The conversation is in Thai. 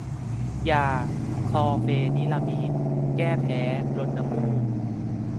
ยาคลอร์เฟนิรามีน แก้แพ้ ลดน้ำมูก